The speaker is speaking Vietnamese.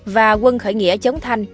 và quân khởi nghĩa chống thanh